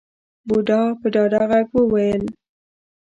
بوډا په ډاډه غږ وويل.